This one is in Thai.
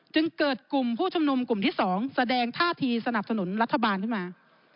จึงเกิดกลุ่มผู้ชุมนุมกลุ่มที่๒แสดงท่าทีสนับสนุนรัฐบาลขึ้นมา